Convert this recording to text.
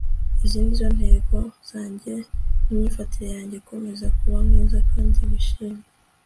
izi ni zo ntego zanjye n'imyifatire yanjye. komeza kuba mwiza kandi wishimye